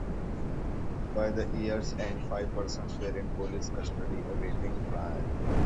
By the year's end, five persons were in police custody awaiting trial.